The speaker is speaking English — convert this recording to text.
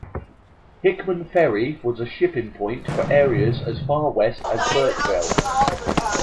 Hickman Ferry was a shipping point for areas as far west as Burkeville.